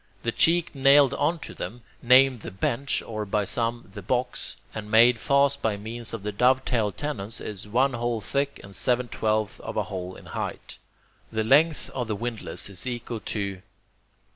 The cheek nailed on to them, named the "bench," or by some the "box," and made fast by means of dove tailed tenons, is one hole thick and seven twelfths of a hole in height. The length of the windlass is equal to...